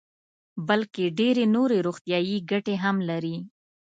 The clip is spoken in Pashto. بلکې ډېرې نورې روغتیايي ګټې هم لري.